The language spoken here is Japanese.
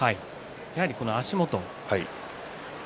やはりこの足元。